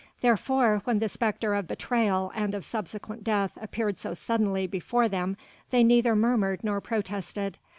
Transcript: Therefore when the spectre of betrayal and of subsequent death appeared so suddenly before them they neither murmured nor protested.